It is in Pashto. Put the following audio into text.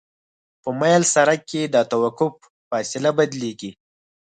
په مایل سرک کې د توقف فاصله بدلیږي